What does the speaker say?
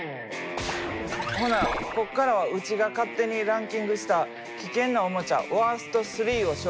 ほなここからはうちが勝手にランキングした危険なおもちゃワースト３を紹介するで！